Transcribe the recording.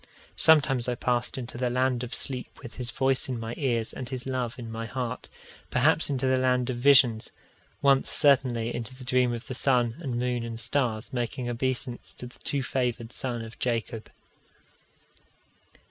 Sometimes I passed into the land of sleep with his voice in my ears and his love in my heart; perhaps into the land of visions once certainly into a dream of the sun and moon and stars making obeisance to the too favoured son of Jacob.